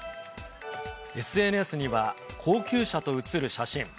ＳＮＳには高級車と写る写真。